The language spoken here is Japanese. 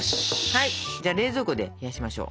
はいじゃあ冷蔵庫で冷やしましょう。